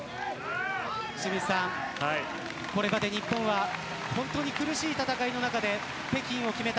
清水さん、これまで日本は本当に苦しい戦いの中で北京を決めた。